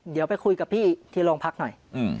เดี๋ยวไปคุยกับพี่ที่โรงพักหน่อย